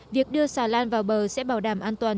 việc đưa xà lan vào bờ sẽ bảo đảm an toàn